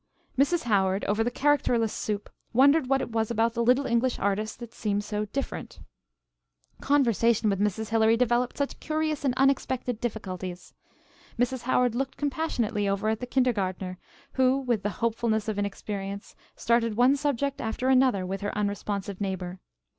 Mrs. Howard, over the characterless soup, wondered what it was about the little English artist that seemed so "different." Conversation with Mrs. Hilary developed such curious and unexpected difficulties. Mrs. Howard looked compassionately over at the kindergartner who, with the hopefulness of inexperience, started one subject after another with her unresponsive neighbor.